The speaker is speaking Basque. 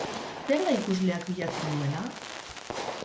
Zer da ikusleak bilatzen duena?